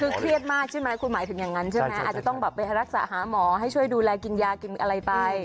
คือเครียดมากใช่ไหมคุณหมายถึงอย่างนั้นใช่ไหมอาจจะต้องแบบไปรักษาหาหมอให้ช่วยดูแลกินยากินอะไรไป